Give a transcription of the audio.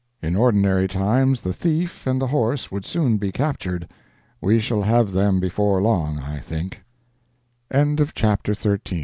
In ordinary times the thief and the horse would soon be captured. We shall have them before long, I think. XIV SOLDIER BOY—TO HI